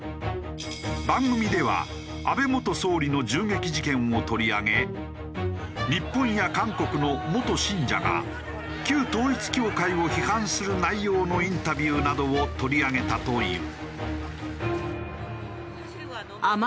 番組では安倍元総理の銃撃事件を取り上げ日本や韓国の元信者が旧統一教会を批判する内容のインタビューなどを取り上げたという。